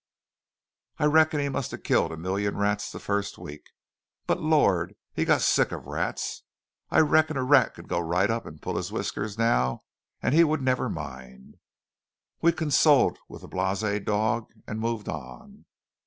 I reckon he must've killed a million rats the first week. But, Lord! he got sick of rats. I reckon a rat could go right up and pull his whiskers now, and he'd never mind." We condoled with the blasé dog, and moved on.